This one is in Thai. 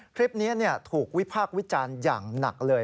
คลิปนี้ถูกวิพากษ์วิจารณ์อย่างหนักเลย